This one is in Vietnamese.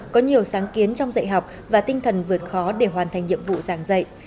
có nhiều sáng kiến trong dạy học và tinh thần vượt khó để hoàn thành nhiệm vụ giảng dạy